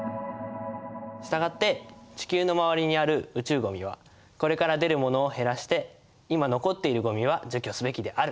「したがって地球の周りにある宇宙ゴミはこれから出るものを減らして今残っているゴミは除去すべきである」。